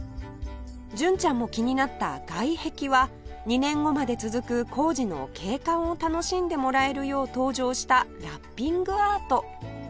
純ちゃんも気になった外壁は２年後まで続く工事の景観を楽しんでもらえるよう登場したラッピングアート